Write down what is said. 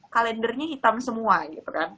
kalendernya hitam semua gitu kan